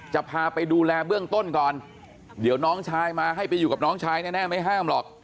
จะพาไปดูแลเบื้องต้นก่อนเดี๋ยวน้องชายมาให้ไปอยู่กับน้องชายแน่ไม่ห้ามหรอก